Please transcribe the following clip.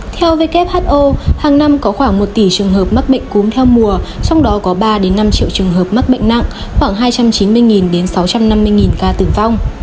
theo who hàng năm có khoảng một tỷ trường hợp mắc bệnh cúm theo mùa trong đó có ba năm triệu trường hợp mắc bệnh nặng khoảng hai trăm chín mươi sáu trăm năm mươi ca tử vong